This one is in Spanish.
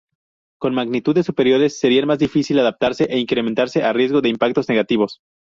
Con magnitudes superiores sería más difícil adaptarse e incrementaría el riesgo de impactos negativos.